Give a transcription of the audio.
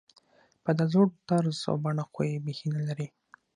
په دا زوړ طرز او بڼه خو یې بېخي نلري.